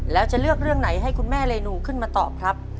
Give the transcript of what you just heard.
แล้วจะเลือกเรื่องไหนให้คุณแม่เรนูขึ้นมาตอบครับ